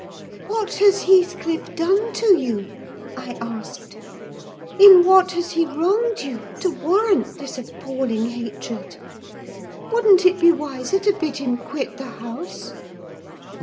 "What has Heathcliff done to you?" I asked. "In what has he wronged you, to warrant this appalling hatred? Wouldn't it be wiser to bid him quit the house?"